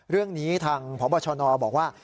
เรื่องนี้ทางพบชนบอกว่า